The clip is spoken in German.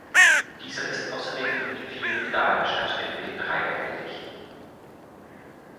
Dieser ist außerdem mit vier Pedalen statt der üblichen drei erhältlich.